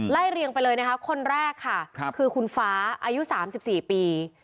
เรียงไปเลยนะคะคนแรกค่ะคือคุณฟ้าอายุ๓๔ปี